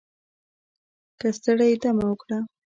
که ستړی یې دمه وکړه